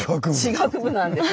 地学部なんです。